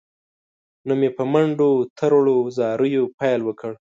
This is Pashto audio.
نو مې په منډو تروړ، زاریو یې پیل وکړ.